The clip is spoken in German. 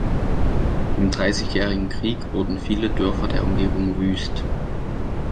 Im Dreißigjährigen Krieg wurden viele Dörfer der Umgebung wüst.